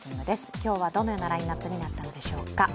今日はどのようなラインナップになっているでしょうか。